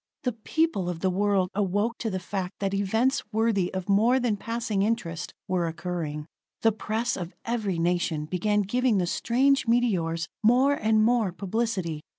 The people of the world awoke to the fact that events worthy of more than passing interest were occurring. The press of every nation begin giving the strange meteors more and more publicity.